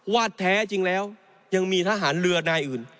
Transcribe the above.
ว่าแท้จริงแล้วยังมีทหารเรือนายอื่น